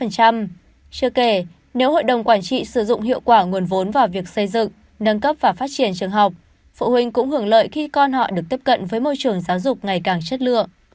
chưa kể nếu hội đồng quản trị sử dụng hiệu quả nguồn vốn vào việc xây dựng nâng cấp và phát triển trường học phụ huynh cũng hưởng lợi khi con họ được tiếp cận với môi trường giáo dục ngày càng chất lượng